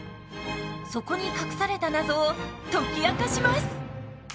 そこに隠された謎を解き明かします！